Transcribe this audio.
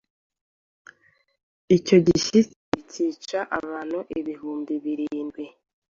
icyo gishyitsi cyica abantu ibihumbi birindwi,